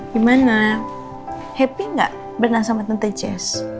gimana happy ga bernafas sama tante jess